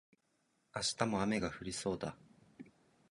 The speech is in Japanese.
明日も雨が降りそうだ